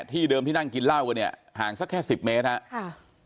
ที่เดิมที่นั่งกินเหล้ากันเนี่ยห่างสักแค่สิบเมตรครับ